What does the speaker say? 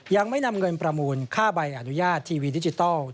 ยังไม่นำเงินประมูลค่าใบอนุญาตทีวีดิจิทัล